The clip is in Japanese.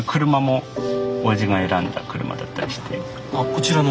こちらの？